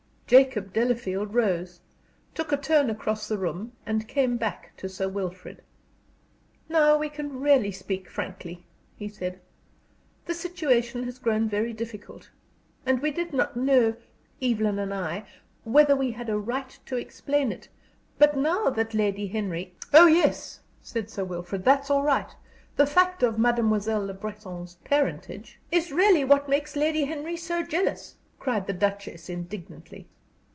Jacob Delafield rose, took a turn across the room, and came back to Sir Wilfrid. "Now we can really speak frankly," he said. "The situation has grown very difficult, and we did not know Evelyn and I whether we had a right to explain it. But now that Lady Henry " "Oh yes," said Sir Wilfrid, "that's all right. The fact of Mademoiselle Le Breton's parentage " "Is really what makes Lady Henry so jealous!" cried the Duchess, indignantly.